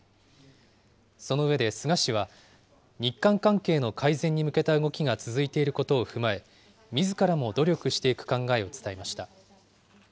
その上で菅氏は、日韓関係の改善に向けた動きが続いていることを踏まえ、みずからも努力していく考えを伝えました。